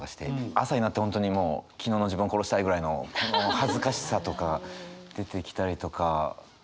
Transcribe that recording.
朝になって本当にもう昨日の自分を殺したいぐらいの恥ずかしさとか出てきたりとかありますし。